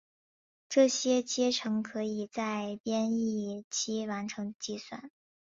这些阶乘可以在编译期完成计算。